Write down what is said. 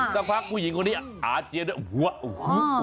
สักพักผู้หญิงคนนี้อาเจียนด้วยหัวโอ้โห